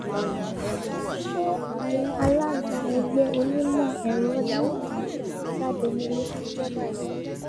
ṣé àwọn alága ẹgbẹ́ onímọ̀ ẹ̀rọ̀ ní Oǹdó ti jáde nílé?